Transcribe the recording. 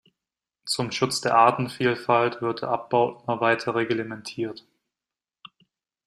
Zum Schutz der Artenvielfalt wird der Abbau immer weiter reglementiert.